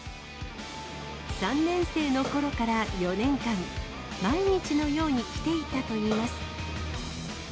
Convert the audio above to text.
３年生のころから４年間、毎日のように来ていたといいます。